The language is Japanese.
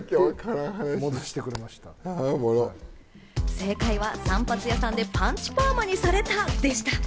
正解は散髪屋さんでパンチパーマにされたでした。